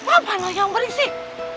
apa lo yang berisik